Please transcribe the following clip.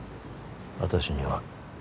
私には